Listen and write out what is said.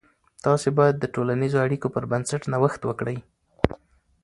تاسې باید د ټولنیزو اړیکو پر بنسټ نوښت وکړئ.